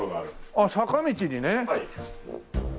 ああ坂道にね。